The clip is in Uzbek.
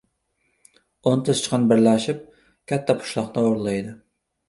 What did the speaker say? • O‘nta sichqon birlashib, katta pishloqni o‘g‘irlaydi.